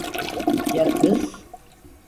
Ya kız?